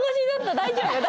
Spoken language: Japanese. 大丈夫？